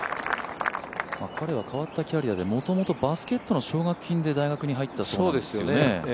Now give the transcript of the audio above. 彼は変わったキャリアでもともとバスケットの奨学金で大学に入ったそうなんですよね。